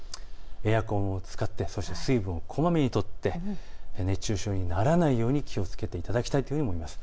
エアコンを使って水分をこまめにとって熱中症にならないように気をつけていただきたいと思います。